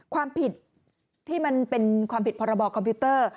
ความผิดที่มันเป็นความผิดพรบคอมพิวเตอร์